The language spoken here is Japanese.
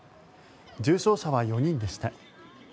重症者は４人でした。